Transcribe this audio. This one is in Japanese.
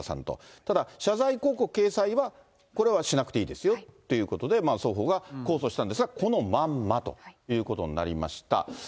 ただ、謝罪広告掲載は、これはしなくていいですよっていうことで、双方が控訴したんですが、このまんまということになりました。